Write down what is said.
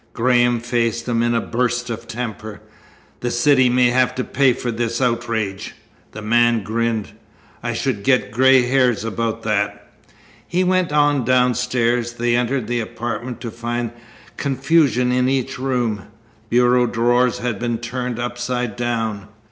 Graham faced him in a burst of temper. "The city may have to pay for this outrage." The man grinned. "I should get gray hairs about that." He went on downstairs. They entered the apartment to find confusion in each room. Bureau drawers had been turned upside down.